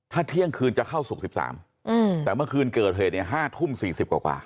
ถ้าเที่ยงคืนจะเข้าศุกร์๑๓แต่เมื่อคืนเกิดเหตุเนี่ย๕ทุ่ม๔๐กว่า